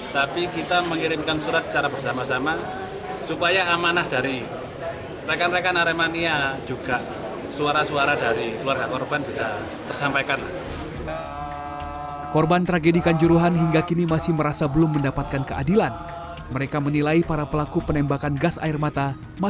tapi kita mengirimkan surat secara bersama sama supaya amanah dari rekan rekan aremania juga